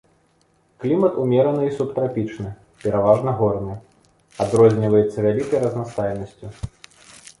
Клімат умераны і субтрапічны, пераважна горны, адрозніваецца вялікай разнастайнасцю.